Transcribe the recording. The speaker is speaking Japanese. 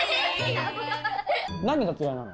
何が嫌いなの？